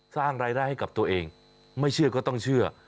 สร้างรายได้ให้กับตัวเองไม่เชื่อก็ต้องเชื่อ